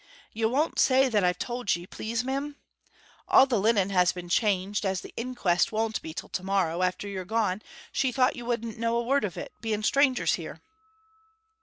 Ye won't say that I've told ye, please, m'm? All the linen has been changed, and as the inquest won't be till tomorrow, after you are gone, she thought you wouldn't know a word of it, being strangers here.'